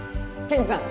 ケンジさん